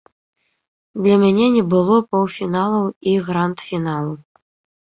Для мяне не было паўфіналаў і гранд-фіналу.